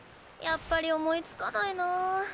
やっぱり思いつかないなあ。